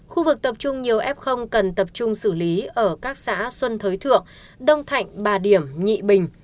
khu vực tập trung nhiều f cần tập trung xử lý ở các xã xuân thới thượng đông thạnh bà điểm nhị bình